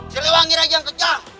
siliwangi raja yang kecah